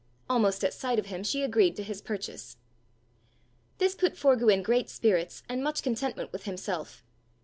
Almost at sight of him she agreed to his purchase. This put Forgue in great spirits, and much contentment with himself.